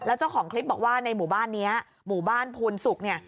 เจ้าของคลิปบอกว่าในหมู่บ้านนี้หมู่บ้านภูนศุกร์เนี่ย